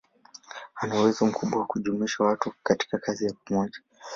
Ana uwezo mkubwa wa kujumuisha watu katika kazi ya pamoja.